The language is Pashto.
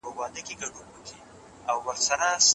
هغه وایي چې هر خبر یو نوی درس لري.